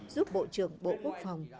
giúp bộ trưởng bộ quốc phòng